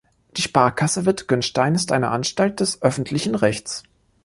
Die Sparkasse Wittgenstein ist eine Anstalt des öffentlichen Rechts.